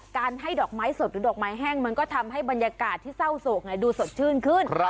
ให้ดอกไม้สดหรือดอกไม้แห้งมันก็ทำให้บรรยากาศที่เศร้าโศกดูสดชื่นขึ้น